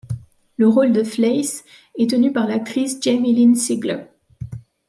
Le rôle de Fleiss est tenu par l'actrice Jamie-Lynn Sigler.